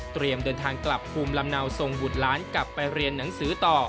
เดินทางกลับภูมิลำเนาส่งบุตรล้านกลับไปเรียนหนังสือต่อ